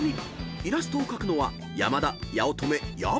イラストを描くのは山田八乙女薮］